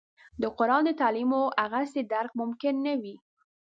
د قران د تعالیمو هغسې درک ممکن نه دی.